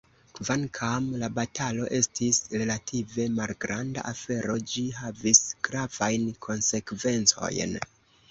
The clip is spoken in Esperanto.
Kvankam la batalo estis relative malgranda afero, ĝi havis gravajn konsekvencojn.